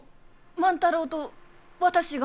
万太郎と私が？